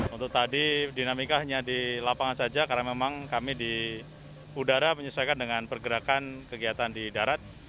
untuk tadi dinamika hanya di lapangan saja karena memang kami di udara menyesuaikan dengan pergerakan kegiatan di darat